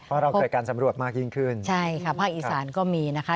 เพราะเราเกิดการสำรวจมากยิ่งขึ้นใช่ค่ะภาคอีสานก็มีนะคะ